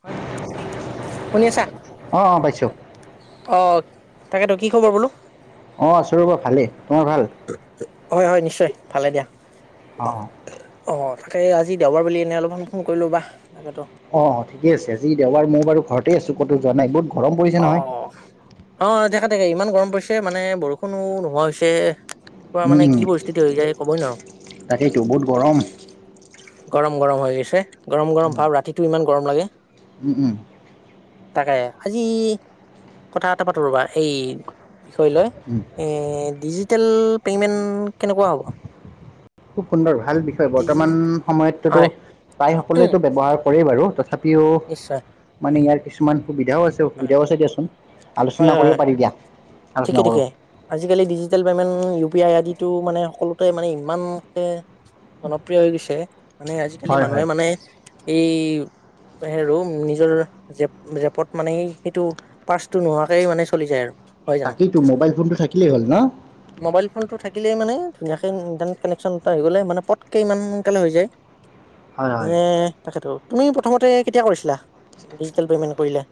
হয় শুনি আছা অঁ অঁ পাইছোঁ অ, তাকেতো কি খবৰ বোলো? অ, আছোঁ ৰবা ভালেই তোমাৰ ভাল? হয়-হয় নিশ্চয় ভালে দিয়া। অ', অ', অ তাকে এই আজি দেওবাৰ বুলি এনে অলপমান ফোন কৰিলো বা তাকেতো। অ, ঠিকে আছে আজি দেওবাৰ মই বাৰু ঘৰতে আছো ক'তো যোৱা নাই বহুত গৰম পৰিছে অ নহয় অ অ দেখে দেখে ইমান গৰম পৰিছে মানে বৰষুণো নোহোৱা হৈছে এনেুৱা উম উম মানে তাকেইতো বহুত গৰম গৰম গৰম হৈ গৈছে গৰম গৰম ভাব ৰাতিটো ইমান গৰম লাগে উম উম তাকে আজি কথা এটা পাতো ৰ'বা এই বিষয় লয় উম এ ডিজিটেল পেমেণ্ট কেনেকুৱা হ'ব খুব সুন্দৰ হয় ভাল বিষয় ডিজি বৰ্তমান সময়তো হয় উম, নিশ্চয় মানে ইয়াৰ কিছুমান সুবিধাও আছে হয় অসুবিধাও আছে দিয়াচোন হয় আলোচনা হয় হয় কৰিব পাৰি দিয়া ঠিকে আলোচনা ঠিকে কৰোঁ আজিকালি digital payment U P I ইত্যাদিটো মানে সকলোতে মানে ইমানকে জনপ্ৰিয় হৈ গৈছে মানে আজিকালি হয় মানুহে হয় মানে এই হে নিজৰ জেপ জেপত মানে সেইটো পাৰ্চটো নোহোৱাকেই মানে চলি যায় আৰু হয় জানো তাকেইতো মোবাইল ফোনটো থাকিলেই হ'ল ন মোবাইল ফোনটো থাকিলে মানে ধুনীয়াকে ইণ্টাৰনেট কানেকশন এটা হৈ গ'লে মানে পটকে ইমানকালে হৈ যায় হয় হয় তাকেতো তুমি প্ৰথমতে কেতিয়া কৰিছিলা ডিজিটেল পেমেন্ট কৰিলো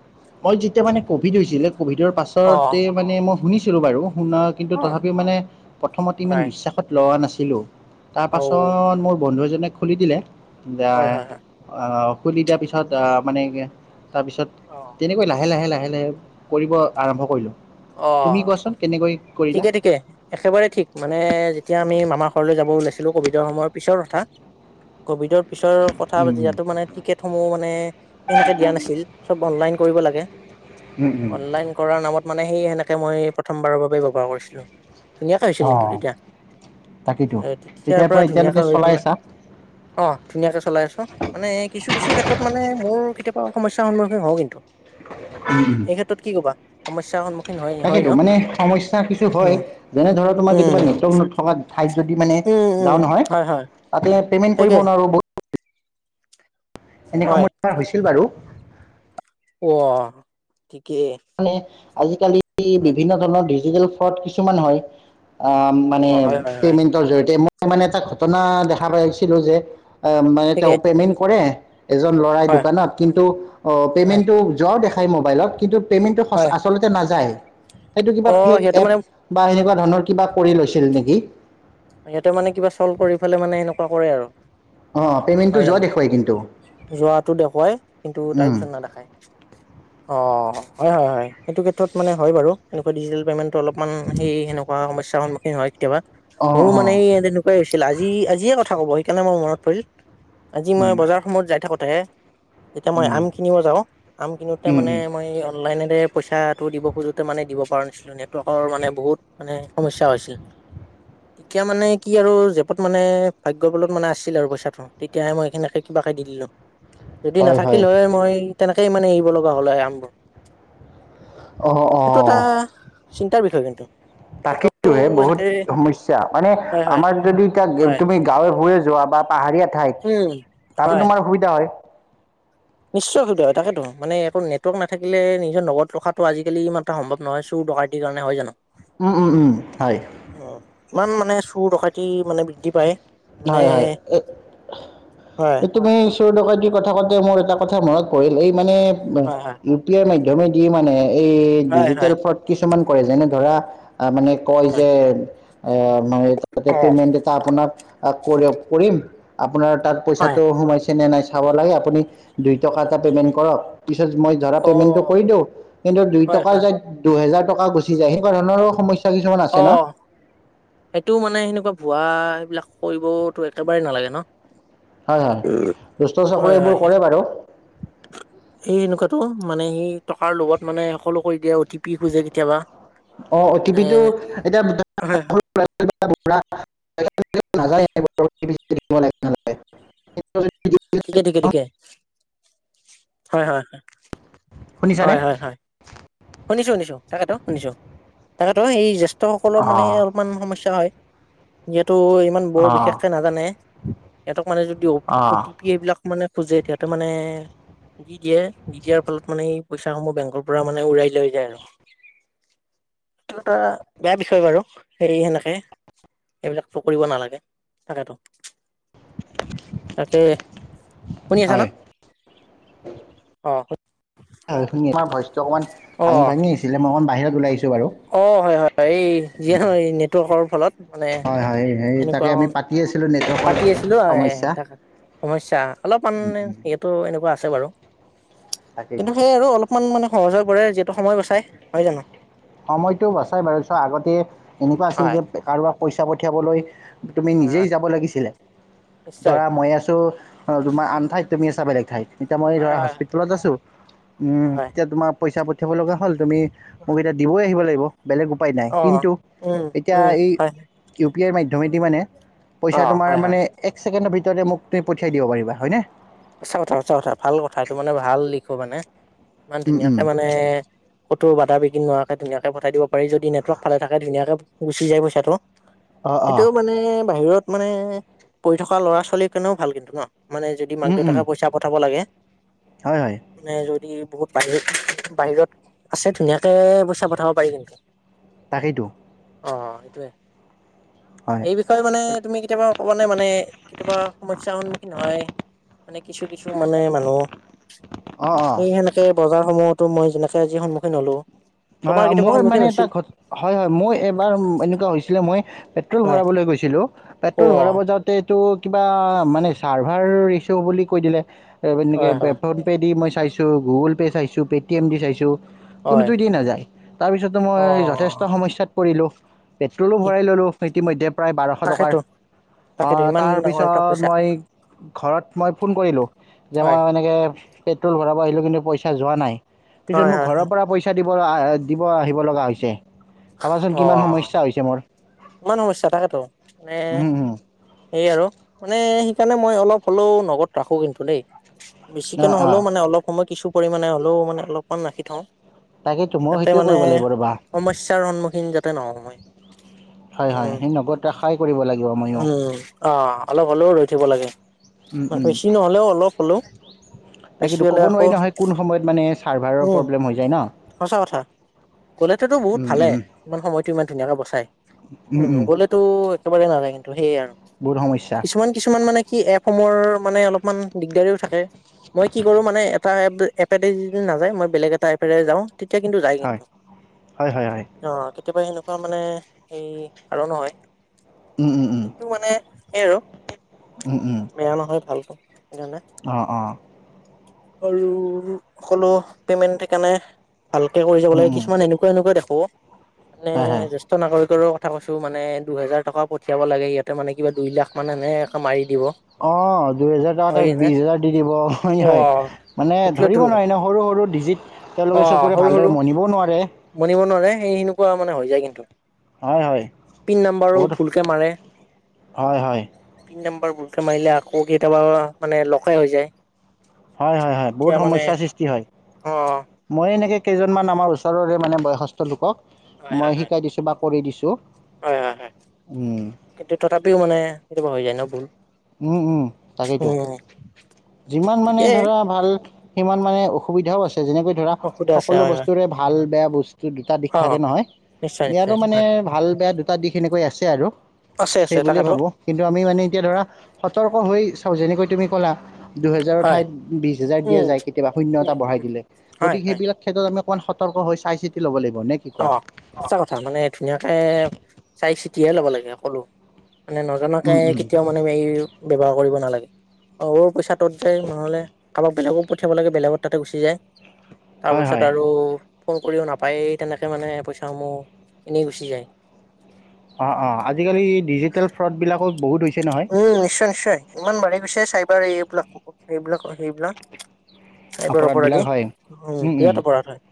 মই যেতিয়া মানে কভিড হৈছিলে কভিডৰ অ পাছতে মানে মই শুনিছিলো বাৰু শুনা কিন্তু অ তথাপিও মানে প্ৰথমতে ইমান হয় বিশ্বাসত লোৱা নাছিলো তাৰ অ পাছত হয় হয় মোৰ বন্ধু এজনে খুলি দিলে যে হয় হয় হয় আহ খুলি দিয়াৰ পিছত মানে তাৰপিছত অ তেনেকৈ লাহে লাহে লাহে কৰিব আৰম্ভ কৰিলো তুমি অ কোৱাচোন কেনেকৈ কৰিলা? ঠিকে ঠিকে একেবাৰে ঠিক মানে যেতিয়া আমি মামা ঘৰলৈ যাব ওলাইছো কভিডৰ সময়ৰ পিছত তথা কভিডৰ পিছৰ কথা উম উম যাতো মানে টিকেট সমূহ মানে এনেকে দিয়া নাছিল চব অনলাইন কৰিব লাগে উম উম অনলাইন কৰাৰ নামত মানে সেই সেনেকে মই প্ৰথমবাৰৰ বাবে ব্যৱহাৰ কৰিছিলো ধুনাকে হৈছিল অ কিন্তু তেতিয়া তাকেইতো তে ইয়াৰ তেতিয়াৰ পৰা ধুনীয়াকে এতিয়ালৈকে হৈ চলাই পালে আছা? অ ধুনীয়াকে চলাই আছো মানে কিছু কিছু ক্ষেত্ৰত মানে মোৰ কেতিয়াবা সমস্যাৰ সন্মুখীন হওঁ কিন্তু এই ক্ষেত্ৰত কি কবা সমস্যাৰ সন্মুখ তাকেইেতো মানে সমস্যা কিছু উম হয় যেনে ধৰ তোমাৰ উম কেতিয়াবা নট নথকা ঠাই যদি মানে উম উম যাওঁ নহয় হয় হয় তাতে পেমেন্ট কৰিব তাকে নোৱাৰো ব এনেকুৱা হয় মোৰ হৈছিল বাৰু অ ঠিকেই মানে আজিকালি হয় বিভিন্ন ধৰণৰ ডিজিটেল ফ্ৰড কিছুমান হয় আহ অ', মানে হয়, হয়, হয়, পেমেন্টৰ জৰিয়তে মই মানে এটা ঘটনা দেখা পাইছিলো যে অ মানে তেওঁ ঠিকেই পেমেণ্ট কৰে এজন ল'ৰাই হয়, দোকানত কিন্তু অ হয়, পেমেন্টটো যোৱা দেখ ম নাটো হয় কা অ', সিহঁতে মানে ধনৰ কিবা কৰি লৈছিল নেকি সিহঁতে মানে কিবা চল্ভ কৰি ফেলে মানে এনেকুৱা কৰে আৰু অ পেমেণ্টটো যোৱা দেখুৱাই কিন্তু যোৱাতো দেখুৱাই কিন্তু উম তাৰপিছত নাদাখায় অ হয় হয় হয় এইটো ক্ষেত্ৰত মানে হয় বাৰু এনেকুৱা ডিজিটেল পে'মেণ্টটো অলপমান সেই সেনেুৱা সমস্যা সন্মুখীন হয় কেতিয়াবা অঁ মোৰ অঁ মানে তেনেকুৱাই ছিল আজি আজিয়ে কথা ক'ব সেইকাৰণে মই মনত পৰিল আজি মই উম বজাৰ সমূত যাই থাকোতেহে এতিয়া মই উম আম কিনিব যাওঁ আম কিনোতে উম মানে উম মই অনলাইনে পইচাটো দিব খোজোতে মানে দিব পৰাাৰ নাছিলো নেটৱৰ্কৰ মানে বহুত মানে সমস্া হৈছিল [unintelligible] এতিয়া মানে কি আৰু জেপত মানে ভাগ্যবলত মানে আছিল আৰু পইচাটোতিাহে মই সিনে কিবাকে দিম যদি নাথাকিলে হয় মই তেনেকেই মানে এৰিব লগা হ'ল আমবোৰ অঁ সেইটো এটা অঁ চিন্তাৰ বিষয়ে কিন্তু নেটৱৰ্কটো তাকেইটো বহুত এনেকে সমস্যা মানে হয় হয় আমাৰ যদি এতিয়া হয় তুমি গাঁৱে সুৰে যোৱা বা পাহাৰীয়া ঠাইত উম তাতো হয় তোমাৰ সুবিধা হয় নিশ্চয় অসুবিধা হয় তাকেতো মানে নেটৱৰ্ক নাথাকিলে নিজৰ নত ৰখাটো আজিকি ই এটা সম্ভৱ নহয় চুৰ দৰকাৰটিৰ কাৰণে হয় জানো উম উম উম হয় অ ইমান মানে চুৰ টকাতি মানে বৃদ্ধি পায় মানে হয় হয় হয় এই তুমি ট য কথা কাতে মোৰ এটা কথা মনত পৰিল উম এই মানে হয় হয় ইউ পি আইৰ মাধ্যমে যি মানে এই হয় ডিজিটেল হয় ফ্ৰড কিছুমান কৰে যেনে ধৰা মানে কয় হয় যে তাতে অ পে'মেণ্ট এটা আপোনাক কৰি কৰিম আপোনাৰ তাত হয় পইচাটো সোমাইছে নে নাই চাব লাগে আপুনি দুই টকা এটা পেমেন্ট কৰক পিছত মই ধৰা অ পে'মেণ্টটো কৰি দিওঁ কিন্তু দুই হয় টকা হয় য দুহেজাৰ টকা গুচি য সনেুৱাৰণৰ সমস্য অ সেইটো মানে সেনেকুৱা ভুৱা এইবিলাক কৰিবতো একেবাৰেই নালাগে ন হয় হয় দুষ্ট চকৰে এইবোৰ কৰে বাৰু এই এনেকুৱাতো মানে সি টকাৰ লগবত মানে সকলো কৰি দিয়ে অ টি পি খোজে কেতিয়াবা অ অ' টি এ পি টো এতিয়া হয় হয় নাযায় ঠিকে ঠিকে ঠিকে। হয় হয়। শুনিছানে? হয় হয় হয় শুনিছো শুনিছো তাকেতো শুনিছো তাকেতো এই জ্যেষ্ঠসকলৰ মানে অ' অলপমান সমস্যা হয়। [unintelligible] ত ইমান বৰ অ' বিশেষকে নাজানে সিহঁতক মানে যদি অ অ টি পি এইবিলাক মানে। খোজে সহতে মানে দি দিয়ে দি দিয়াৰ ফলত মানে এই পইচা সমূহ বেংকৰ পৰা মানে উৰাই। লৈ যায় আৰু এইটো এটা বেয়া বিষয় বাৰু হে সেনেকে। এইবিলাক কৰিব নালাগে তাকেতো তাকে। শুনি আছা ন হয় হয়ুনিমাৰ ভইচটো অকমান অ ভাঙি ভাঙি আছিলে মই অকমান বাহিৰত ওলাইছিলো। অ হয় হয় এই যিয়ে নহ নেটৱৰ্কৰ ফলত মানে এনেকুৱা। পি আছিলো। পাতি আছিলো ত সমস্যা অলপমান সটোো এনেকুৱা আছে বাৰু। কিন্তু তাকেইতো সেই আৰু অলপমান মানে সহজ হৈ কৰে যিহেতু সময় বচাই হয় জানো? সময়তটো বচাই বাৰছ আগতে এনেকুৱা আছিল হয় যে কাৰোবাক পইচা পঠিয়াবলৈ। তুমি হয় নিজেই হয় যাব লাগিছিলে নিশ্চয় ধৰা মই আছো তোমাৰ আনঠাইত। তুমি আছা বেলেগ ঠাইত এতিয়া মই হয় ধৰা হয় হস্পিতলত আছো উম হয় তেতিয়া তোমাৰ পইচাা। পঠিয়াব লগা হ'ল তুমি। হয়। ব অ উম এ। উম হয় পি আইৰ মাধ্যমেদি মানে অ পইচা তোমাৰ হয় হয় মানে এক ছেকেণ্ডৰ ভিতৰতে মোক তুমি পঠিয়াই দিব পাৰিবা হয়নে? সঁচা কথা সঁচা কথা ভাল কথা এইটো মানে ভাল লিখো মানে ইমান উম, উম, ধুনীয়াকে মানে ক'তো বাধা বিঘিনোৱাৰ। ধুনীয়াকে পঠাই দিব পাৰি যদিেটৱৰ্কালে থাকে ধুনীয়াক গুচি যায় পইচাটো। অঁ, অঁ, সেইটোও মানে বাহিৰত মানে পঢ়ি থকা ল'ৰা ছোৱালীৰ কাৰণেও ভাল কিন্তু ন? মানে যদি মাক উম, উম, দেউতাকে পইচা পঠাব লাগে। হয় হয়। মানে যদি বহুত বাহিৰত বাহিৰত আছে ধুনীয়াকে পইচা পঠাব পাৰি তেন্তে। তাকেইটো। অ সেইটোয়ে। এই বিষয়ে মানে তুমি কেতিয়াবা কব নে মানে কেতিয়াবা সমস্যাৰ সন্মুখীন হয়। মানে কিছু কিছু মানে মানুহ অঁ, অঁ। এই সেনেকে বজাৰ সমূহত। ত মই যেনেকে আজ সন্মুখীন হ'লো। হয় তোমাৰ হয় কেতিয়াবা মই সন্মুখীন মানে এটা হৈছিল ঘ হয় হয় মই এবাৰ এনেকুৱা হৈছিলে মই। পেট্ৰল হয় ভৰাবলৈ গৈছিলো অ পেট্ৰল ভৰাবজাওঁতে। হয় হয় [unintelligible] চাইছোঁ গুগল পে' চাইছোঁ পে'টি এম দি চাইছোঁ। হয়। কোনোটো নাযায় তাৰ পিছতো মই অ যথেষ্ট সমস্যাত পৰিলো পেট্ৰলো ভৰাই ললো ইতিমধ্য। প্ৰায় বাৰশ টকাৰ তাকেতো তাকেতো ইমান ডাঙৰ এটা তাৰপিছত পইচা মই। ঘৰত মই ফোন কৰিলো যে হয় মই এনেকে পেট্ৰল ভৰাব আহিলো কিন্তু। পইচা যোৱা নাই পিছত হয় মোক হয় ঘৰৰ হয় পৰা পইচা দিব দিব আহিব লগা হৈছে। ভাবাচোন অ কিমান সমস্যা হৈছে মোৰ। ইমান সমস্যা থাকেতো মানে? সেই আৰু মানে সেইকাৰণে মই অলপ হ'লেও নগদ ৰাখো কিন্তু দেই। বেছিকে অঁ নহলেও অঁ মানে অলপ সময় কিছু পৰিমাণে হলেও মানে অলপমান ৰাখি থওঁ। তাকেতো ময়ো তাতে সেইটোৱে মানে কৰিব লাগিব ৰ'বা সমস্যাৰ সন্মুখীন যাতে নহয়। হয় হয় সেই নগদ আশাই কৰিব লাগে। উম অ অলপ হলেও ৰৈ থিব লাগে। বেছি নহলেও অলপ হ'লেও। তাক বেছি কিন্তু হলে ক'ব আকৌ নোৱাৰি নহয় কোন সময়ত মানে চাৰ্ভাৰৰ প্ৰব্লেম হৈ যায় ন। গ'লেতেতো বহুত ভালে ইমান সময়। ইমান ধুনীয়াকে বচাই কি নগ'লেতো একেবাৰে নালাগ সেইয়ে আৰু বহুত সমস্যা কিছুমান কিছুমান মানে কি এপসমূহৰ মানে অলপমান দিগদাৰও থাকে। মই কি কৰো মানে এটা এপদি নাযায় মই বেলেগ এটা এপ যাওঁ। তেতিয়া কিন্তু যায় হয় কিন্তু হয় হয় হয় অ। কেতিয়াবা সেনেকুৱা মানে এই আৰু নহয়। অঁ এইটো মানে সেই আৰু বেয়া নহয় ভালটো। সেইকাৰণে অ অ। আৰু সকলো পেমেন্ট সেইকাৰণে ভালকে কৰি যাব লাগে কিছুমান এনেকুৱা এনেকুৱাই দে মানে হয় হয় জেষ্ঠ নাগৰিকৰো ব কথা কৈছো মানে দুহেজাৰ টকা পঠিয়াব লাগে ইয়াতে মানে কাই লাখ মানে মাৰি দিব অ দুইহেজাৰ টকা হয় তাত নে বিশ হেজাৰ দি দিব অনি হয় মানে সেইটোয়েতো ধৰিব নোৱাৰি ন সৰু সৰু ডিজিট তেওঁলোকে অ' চকুৰে সৰু ভালদৰে সৰু মনিবও নোৱাৰে মনিব নোৱাৰে, সেই সেনেকুৱা মানে হৈ যায় কিন্তু। হয় হয় পিন নাম্বাৰো বহুত ভুলকে মাৰে। হয়, হয়। ভূলকে মাৰিলে আকৌ কেতিয়াবা মানে লগাই হৈ যায়। হয়, হয়, হয়। বহুত এতিয়া মানে সমস্যা সৃষ্টি হয়। অ মই এনেকৈ কেইজনমান আমাৰ ওচৰৰে মানে বয়সস্থ হয় লোকক হয় মই হয় শিকাই দিছোঁ বা কৰি দিছোঁ। হয়, হয়, হয়। উম, কিন্তু, তথাপিও মানে কেতিাবা হৈ যায় ন ভুল? উম, উম তাকেইতো উম যিমান মানে ঠিকেই ধৰা ভাল সিমান মানে অসুবিধাও আছে যেনেকৈ ধৰা অসুবিধা আছে সকলো হয় হয় বস্তুৰে ভাল বেয়া বস্তু দুটা দিশ অ থাকে নহয় নিশ্চয় ইয়াৰো নিশ্চয় মানে হয় ভাল বেয়া দুটা দিশ এনেকৈ আছে আৰু। আছে আছে সেই বুলিয়ে তাকেতো ভাবো কিন্তু আমি মানে এতিয়া ধৰা সতৰ্ক হৈ চাও যেনেকৈ তুমি কলা দুহেজাৰ হয় ঠাইত বিশ হাজাৰ দিয়া উম যায় কেতিয়াবা শূন্য উম এটা উম বঢ়াই দিলে হয় গতিক হয় সেইবিলাক ক্ষেত্ৰত আমাক অকণ সতৰ্ক হৈ চাই চিতি ল'ব লাগিব। নে কি অ কোৱা সঁচা কথা মানে ধুনীয়াকে চাই চিতিয়াই ল'ব লাগে কলো। মানে নাজানকে উম উম কেতিয়াও মানে হেৰি ব্যৱহাৰ কৰিব নালাগে অ' পইচাত যায় নহ'লে কাৰোবাক বেলেগো পঠিয়াব লাগে, বেলেগৰ তাতে গুচি যায়। হয় তাৰপিছত হয় আৰু ফোন কৰিও নাপায়েই। তেনেকৈ মানে পইচাসমূহ এনেই গুছি যায়। অঁ অঁ আজিকালি ডিজিটেল ফ্ৰডবিলাকো বহুত হৈছে নহয় উম, নিশ্চয় নিশ্চয় ইমান বাঢ়ি গৈছে চাইবাৰ এইবিলাক এইবিলাক হয়। এইবিলাক চাইবাৰ অপৰাধবিলাক অপৰাধী হয় উম, বিৰাট অপৰাধ হয়।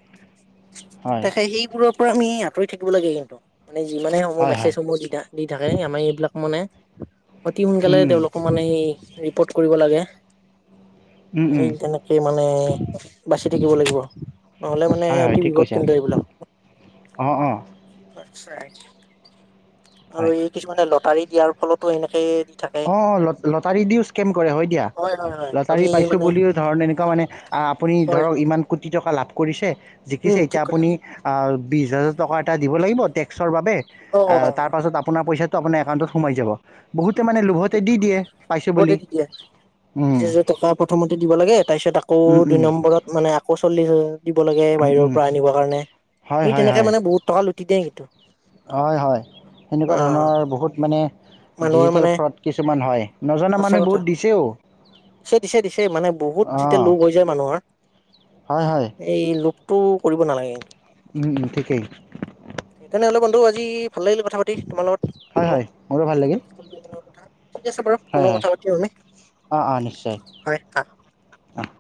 হয় তাকে, সেইবোৰৰ পৰা আমি আঁতৰি থাকিব লাগে। কিন্তু মানে যিমানে সমূহ হয় হয় মেছেজসমূহ যেতিয়া। দি থাকে আমাৰ এইবিলাক মানে অতি সোনকালে উম তেওঁলোকক মানে এই ৰিৰ্পট কৰিব লাগে উম উম এই উম তেনেকৈ মানে বাচি থাকিব লাগিব। নহ'লে মানে হয় হয় অতি ঠিক বিপদ কৈছা কিন্তু এইবিলাক। অঁ অঁ আচ্ছা আৰু হয় এই কিছুমানে লটাৰী দিয়াৰ ফলতো এনেকে দি থাকে অ' লটাৰী দিওঁ স্কেম কৰে হয় দিয়া। হয় হয় লটাৰী আমি পাইছোঁ মানে বুলিও ধৰ এনেকুৱা মানে আপুনি হয় ধৰক হয় ইমান কোটি টকা লাভ কৰিছে, জিকিছে, উম এতিয়া ঠিক কথা আপুনি বিশ হাজাৰ টকা এটা দিব লাগিব টেক্স। চৰ বাবে অ তাৰপাছত আপোনাৰ পইচাটো আপোনাৰ একাউন্টত সোমাই যাব, বহুতে মানে লোভতে দি দিয়ে। পাইছোঁ বহুতে বুলি দি দিয়ে। বিশ উম, হাজাৰ টকা প্ৰথমতে দিব লাগে তাৰপিছত আকৌ উম, দুই উম, নম্বৰত মানে আকৌ চল্লিশ হাজাৰ দিব লাগে উম, বাহিৰৰ উম, পৰা আনিবৰ কাৰণে, হয় সেই হয় তেনেকে হয় মানে বহুত টকা লুটি দিয়ে কিন্তু। হয় হয় অ সেনেকুৱা ধৰণৰ বহুত মানে মানুহৰ ডিজিটেল মানে ফ্ৰড কিছুমান হয়। নজনা মানুহে বহুত দিছেও। পিছে দিছে দিছে মানে বহুত যেতিয়া অঁ লোভ হৈ যায় মানুহৰ হয় হয় এই লোভটো কৰিব নালাগে কিন্তু। উম ঠিকেই। তেনেহ'লে বন্ধু আজি ভাল লাগিলে কথা পাতি তোমাৰ হয় লগত। হয় মোৰো ভাল লাগিল [inaudible] ঠিক আছে বাৰু হয় পুনৰ হয় কথা পাতিম আমি। অঁ অঁ নিশ্চয় হয় হা। অহ।